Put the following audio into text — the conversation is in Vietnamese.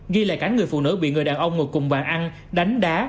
ghi lại cảnh người phụ nữ bị người đàn ông ngồi cùng bạn ăn đánh đá